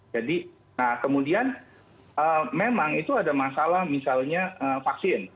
jadi nah kemudian memang itu ada masalah misalnya vaksin